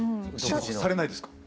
されないですか？